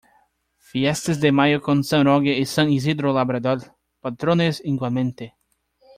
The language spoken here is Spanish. Fiestas de mayo con San Roque y San Isidro Labrador, patrones igualmente.